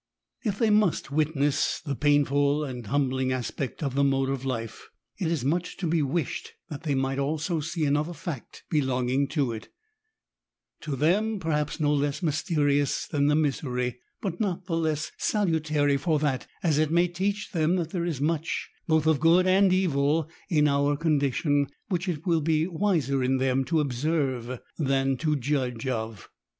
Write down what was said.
If they must witness the painful and humbling aspect of the mode of life, it is much to be wished POWER OF IDEAS IN THE SICK ROOM. 157 that they might also see another fact belonging to it — ^to them^ perhaps, no less mysterious than the misery ; but not the less salutary for that, as it may teach them that there is much, both of good and evil, in our condition, which it will be wiser in them to observe than to judge of.